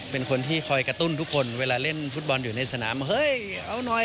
เป็นคนที่คอยกระตุ้นทุกคนเวลาเล่นฟุตบอลอยู่ในสนามเฮ้ยเอาหน่อย